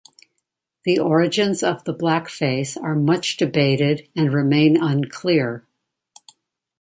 The origins of the blackface are much debated and remain unclear.